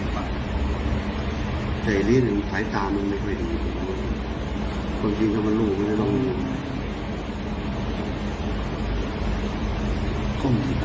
แต่ที่นี่หนึ่งตายจานมันไม่เห็นคนจริงจะมาลูกดู